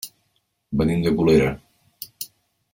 Venim de Colera.